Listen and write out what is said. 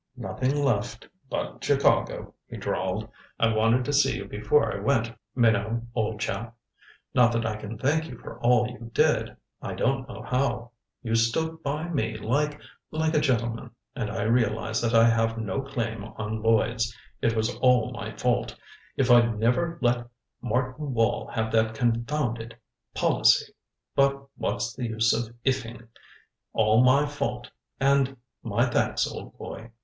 "Nothing left but Chicago," he drawled. "I wanted to see you before I went, Minot, old chap. Not that I can thank you for all you did I don't know how. You stood by me like like a gentleman. And I realize that I have no claim on Lloyds it was all my fault if I'd never let Martin Wall have that confounded policy But what's the use of if ing? All my fault. And my thanks, old boy."